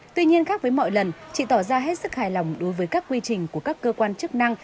tuy nhiên khác với mọi lần chị tỏ ra hết sức hài lòng đối với các quy trình của các cơ quan chức năng